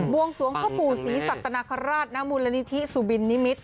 วงสวงพ่อปู่ศรีสัตนคราชณมูลนิธิสุบินนิมิตร